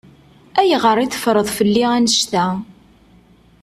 Ayɣer i teffreḍ fell-i annect-a?